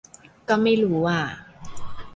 ก็ไม่รู้อ่า